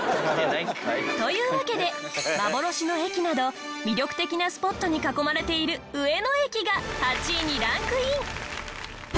というわけで幻の駅など魅力的なスポットに囲まれている上野駅が８位にランクイン。